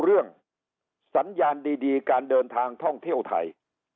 เรื่องสัญญาณดีการเดินทางท่องเที่ยวไทย